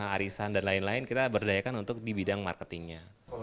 arisan dan lain lain kita berdayakan untuk di bidang marketingnya